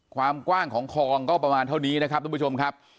ความกว้างของคลองก็ประมาณเท่านี้นะครับทุกผู้ชมครับ